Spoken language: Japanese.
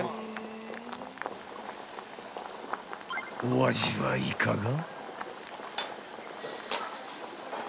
［お味はいかが？］